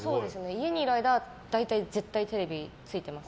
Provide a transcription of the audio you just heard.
家にいる間は絶対テレビついてます。